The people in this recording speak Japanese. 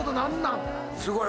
すごい。